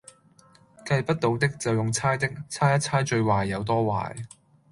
計不到的，就用猜的，猜一猜最壞有多壞